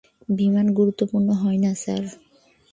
বিমান গুরুত্বপূর্ণ হয় না, স্যার।